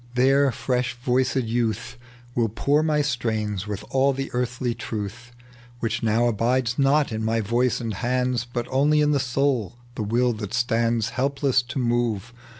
There fresh voiced youth Will pour my strains with all the early truth Which now abid^ not in my voice and hands, But only in the soul, the will that stands Helpless to move.